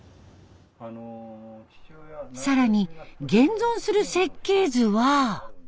更に現存する設計図は。